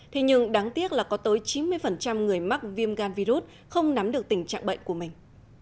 thế nhưng đáng tiếc là có tới chín mươi người mắc viêm gan virus không nắm được tình trạng bệnh của mình